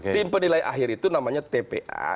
tim penilai akhir itu namanya tpa